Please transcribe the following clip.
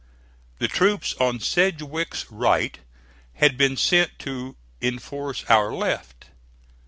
The troops on Sedgwick's right had been sent to enforce our left.